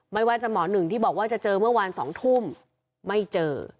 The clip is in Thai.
ไม่ว่าจะหมอหนึ่งที่บอกว่าจะเจอเมื่อวาน๒ทุ่มไม่เจอ